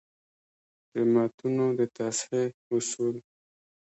د متونو د تصحیح اصول: